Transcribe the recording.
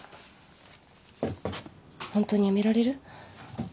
ホントにやめられる？